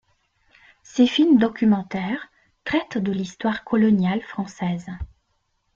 Ses films documentaires traitent de l'histoire coloniale française.